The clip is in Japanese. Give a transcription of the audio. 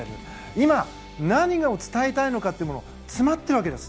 今、何を伝えたいのかが詰まっているわけです。